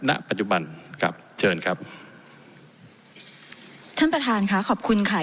ณปัจจุบันครับเชิญครับท่านประธานค่ะขอบคุณค่ะ